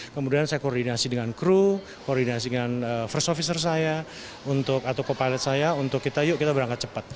kemudian saya koordinasi dengan kru koordinasi dengan first officer saya atau co pilot saya untuk kita yuk kita berangkat cepat